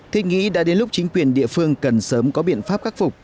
thế nghĩ đã đến lúc chính quyền địa phương cần sớm có biện pháp khắc phục